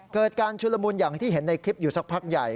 เกิดการชุลมุนอย่างที่เห็นในคลิปอยู่สักพักใหญ่